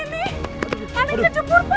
baliknya kecebur pak